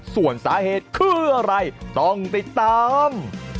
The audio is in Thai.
ส่วนสาเหตุคืออะไรต้องติดตาม